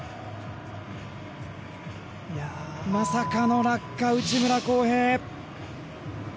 まさかの落下、内村航平。